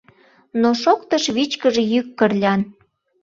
Но шоктыш вичкыж йӱк Кырлян: